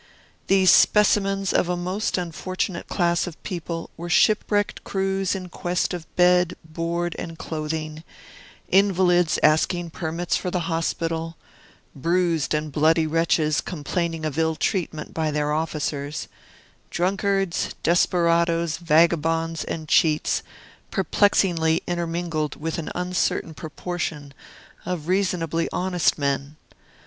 These specimens of a most unfortunate class of people were shipwrecked crews in quest of bed, board, and clothing, invalids asking permits for the hospital, bruised and bloody wretches complaining of ill treatment by their officers, drunkards, desperadoes, vagabonds, and cheats, perplexingly intermingled with an uncertain proportion of reasonably honest men.